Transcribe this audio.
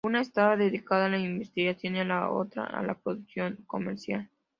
Una estaba dedicada a la investigación, y la otra a la producción comercial.